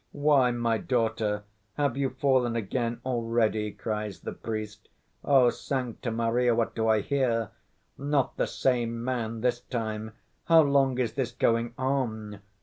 'Why, my daughter, have you fallen again already?' cries the priest. 'O Sancta Maria, what do I hear! Not the same man this time, how long is this going on?